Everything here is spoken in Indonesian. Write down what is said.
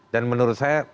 dan menurut saya